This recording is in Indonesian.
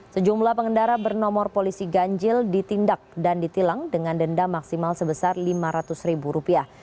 sejumlah pengendara bernomor polisi ganjil ditindak dan ditilang dengan denda maksimal sebesar lima ratus ribu rupiah